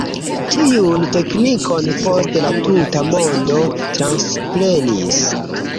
Tiun teknikon poste la tuta mondo transprenis.